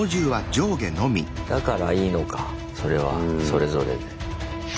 だからいいのかそれはそれぞれで。